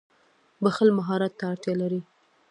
• بښل مهارت ته اړتیا لري.